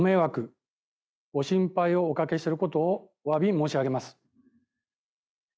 多くの方々にご迷惑、ご心配をおかけすることをおわび申し上げます。